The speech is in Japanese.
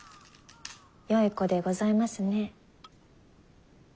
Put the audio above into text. よい子でございますね。